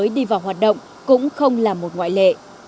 vốn lưu động và hoạt động cũng không là một ngoại lệ